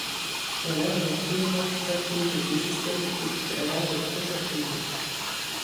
La larve plérocercoïde des cestodes fait suite à la larve procercoïde.